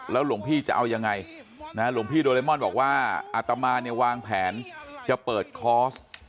หลวงพี่จะเอายังไงหลวงพี่โดเรมอนบอกว่าอัตมาเนี่ยวางแผนจะเปิดคอร์ส